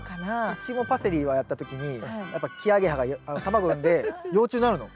うちもパセリをやった時にやっぱキアゲハが卵産んで幼虫になるの。